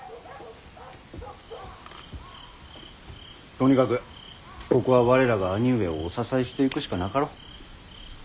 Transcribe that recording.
とにかくここは我らが兄上をお支えしていくしかなかろう。